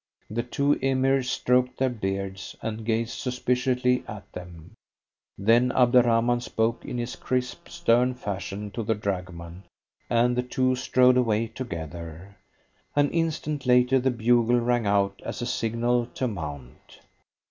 The two Emirs stroked their beards and gazed suspiciously at them. Then Abderrahman spoke in his crisp, stern fashion to the dragoman, and the two strode away together. An instant later the bugle rang out as a signal to mount.